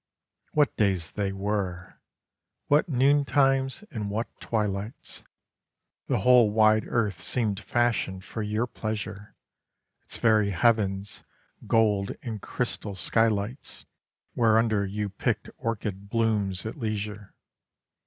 What days they were! What noon times and what twilights! The whole wide earth seemed fashioned for your pleasure; Its very heavens, gold and crystal skylights Whereunder you picked orchid blooms at leisure.